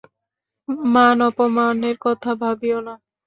মান-অপমানের কথা ভাবিয়ো না!